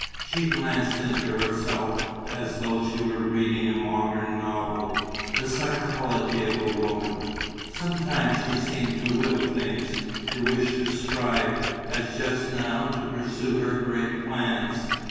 She glanced into herself, as though she were reading a modern novel, the psychology of a woman. Sometimes she seemed to will things, to wish to strive, as just now, to pursue her great plans.